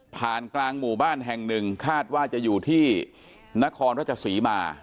กลางหมู่บ้านแห่งหนึ่งคาดว่าจะอยู่ที่นครรัชศรีมา